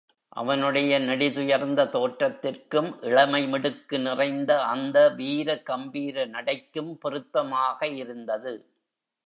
அவனுடைய நெடி துயர்ந்த தோற்றத்திற்கும் இளமை மிடுக்கு நிறைந்த அந்த வீர கம்பீர நடைக்கும் பொருத்தமாக இருந்தது.